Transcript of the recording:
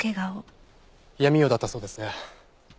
闇夜だったそうですね。